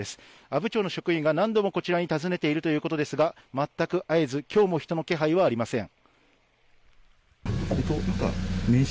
阿武町の職員が何度もこちらに訪ねているということですが全く会えず今日も人の気配はありません。